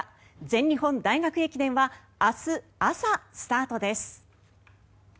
全日本大学駅伝は明日朝スタートです。